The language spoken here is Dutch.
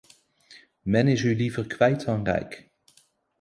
Men is u liever kwijt dan rijk.